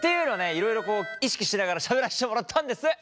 いろいろこう意識しながらしゃべらせてもらったんです。